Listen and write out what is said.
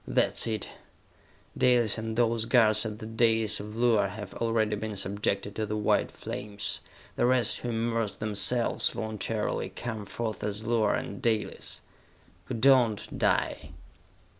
"That's it! Dalis and those guards at the dais of Luar have already been subjected to the white flames! The rest who immerse themselves, voluntarily, come forth as Luar and Dalis! Who do not, die.